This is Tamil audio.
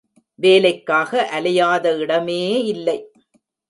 வேலைக்காக அலையாத இடமே இல்லை.